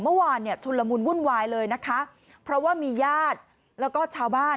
เมื่อวานเนี่ยชุนละมุนวุ่นวายเลยนะคะเพราะว่ามีญาติแล้วก็ชาวบ้าน